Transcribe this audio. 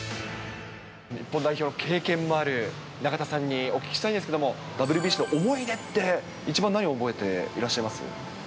日本代表の経験もある中田さんにお聞きしたいんですけれども、ＷＢＣの思い出って一番何を覚えていらっしゃいます？